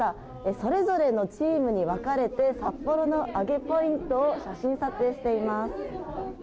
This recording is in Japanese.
それぞれのチームに分かれてアゲポイントを写真撮影しています。